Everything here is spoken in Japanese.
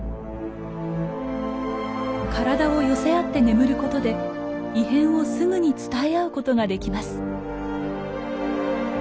体を寄せ合って眠ることで異変をすぐに伝え合うことができます。